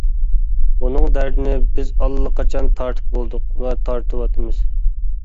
بۇنىڭ دەردىنى بىز ئاللىقاچان تارتىپ بولدۇق ۋە تارتىۋاتىمىز.